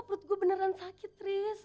perut gue beneran sakit ris